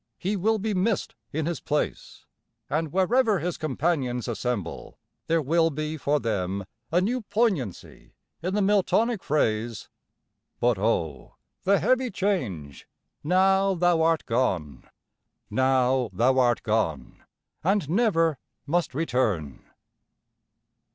He will be missed in his place; and wherever his companions assemble there will be for them a new poignancy in the Miltonic phrase, But O the heavy change, now thou art gone, Now thou art gone, and never must return!